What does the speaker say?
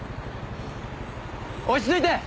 落ち着いて！